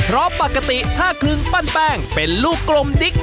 เพราะปกติถ้าคลึงปั้นแป้งเป็นลูกกลมดิ๊ก